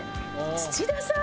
土田さん？